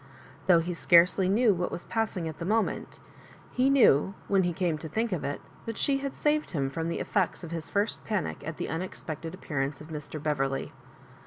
Though he scarcely knew what was passing at the moment, he knew, when he came to think of it, that she had saved him fh>m the effects of his first panic at the un expected appearance of Mr. Beverley.